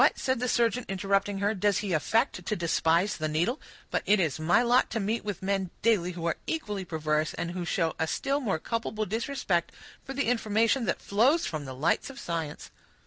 said the surgeon, interrupting her, "does he affect to despise the needle? But it is my lot to meet with men, daily, who are equally perverse, and who show a still more culpable disrespect for the information that flows from the lights of science."